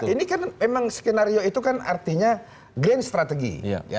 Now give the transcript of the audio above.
ini kan memang skenario itu kan artinya grand strategy